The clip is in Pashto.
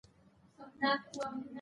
څه ډول موشادې دي؟